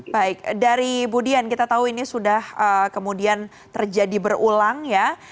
baik dari bu dian kita tahu ini sudah kemudian terjadi berulang ya